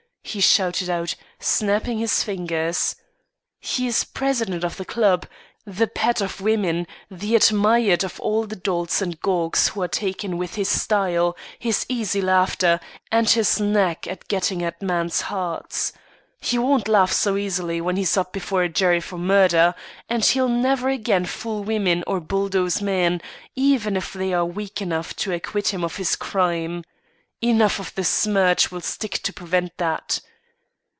he shouted out, snapping his fingers. "He is president of the club; the pet of women; the admired of all the dolts and gawks who are taken with his style, his easy laughter, and his knack at getting at men's hearts. He won't laugh so easily when he's up before a jury for murder; and he'll never again fool women or bulldoze men, even if they are weak enough to acquit him of this crime. Enough of the smirch will stick to prevent that.